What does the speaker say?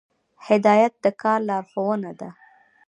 هدایت د کار لارښوونه ده